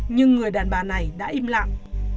nhưng người đàn bà này đã im lặng